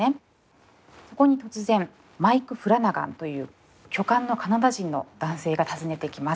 そこに突然マイク・フラナガンという巨漢のカナダ人の男性が訪ねてきます。